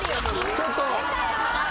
ちょっと。